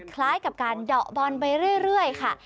คล้ายกับการเดาะบอลไปเรื่อยค่ะ